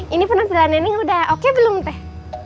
ini penampilan ini udah oke belum teh